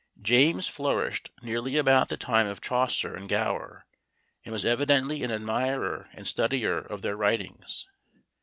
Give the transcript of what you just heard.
James flourished nearly about the time of Chaucer and Gower, and was evidently an admirer and studier of their writings.